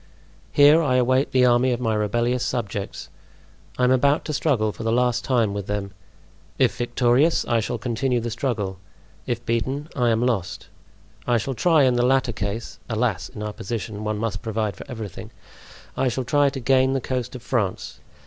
Here I await the army of my rebellious subjects. I am about to struggle for the last time with them. If victorious, I shall continue the struggle; if beaten, I am lost. I shall try, in the latter case (alas! in our position, one must provide for everything), I shall try to gain the coast of France.